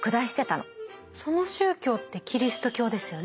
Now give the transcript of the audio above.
その宗教ってキリスト教ですよね？